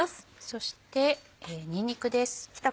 そしてにんにくです。